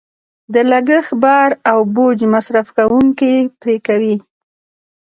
د لګښت بار او بوج مصرف کوونکې پرې کوي.